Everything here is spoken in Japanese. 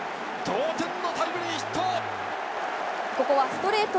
同点のタイムリーヒット。